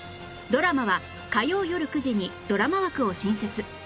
ドラマは火曜よる９時にドラマ枠を新設